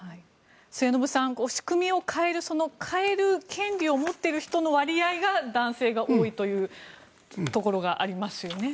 末延さん、仕組みを変えるその変える権利を持っている人の割合が男性が多いというところがありますよね。